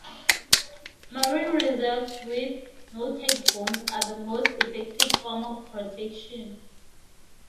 Marine reserves with "no take zones" are the most effective form of protection.